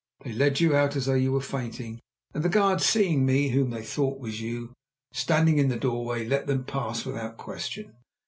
They led you out as though you were fainting, and the guards, seeing me, whom they thought was you, standing in the doorway, let them pass without question.